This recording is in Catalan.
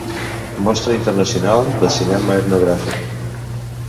Mostra Internacional de Cinema Etnogràfic.